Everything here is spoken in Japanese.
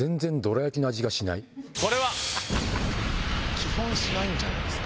基本しないんじゃないですか？